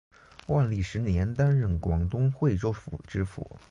万历十年担任广东惠州府知府。